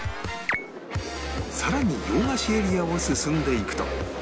さらに洋菓子エリアを進んでいくと